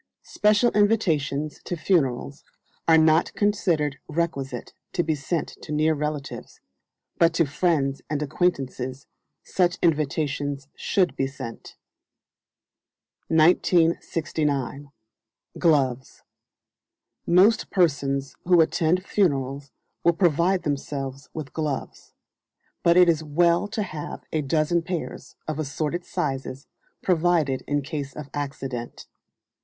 Special invitations to funerals are not considered requisite to be sent to near relatives; but to friends and acquaintances such invitations should be sent. 1969. Gloves. Most persons who attend funerals will provide themselves with gloves; but it is well to have a dozen pairs, of assorted sizes, provided in case of accident.